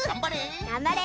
がんばれ。